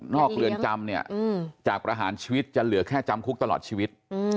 เรือนจำเนี่ยจากประหารชีวิตจะเหลือแค่จำคุกตลอดชีวิต